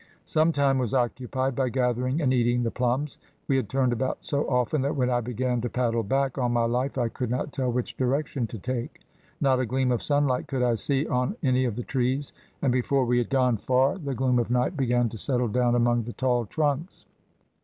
Some time was occupied in gathering and eating the plums. We had turned about so often that when I began to paddle back, on my life I could not tell which direction to take; not a gleam of sunlight could I see on any of the trees, and before we had gone far the gloom of night began to settle down among the tall trunks.